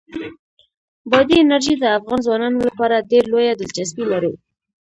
بادي انرژي د افغان ځوانانو لپاره ډېره لویه دلچسپي لري.